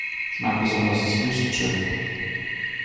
Ich mag besonders das Wüstenschiff.